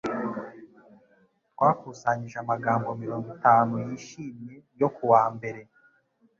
Twakusanyije amagambo mirongo itanu yishimye yo kuwa mbere